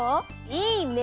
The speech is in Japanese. いいね！